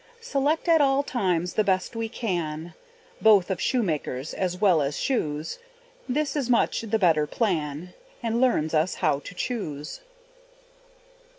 Select at all times the best we can, Both of shoemakers as well as shoes, This is much the better plan, And learns us how to choose.